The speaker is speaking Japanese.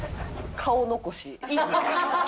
顔残し。